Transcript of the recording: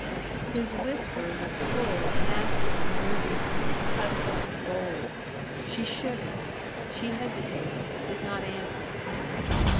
His whisper was full of masculine urgency, husky, bold. She shivered. She hesitated, did not answer.